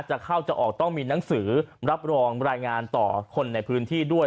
จะเข้าจะออกต้องมีหนังสือรับรองรายงานต่อคนในพื้นที่ด้วย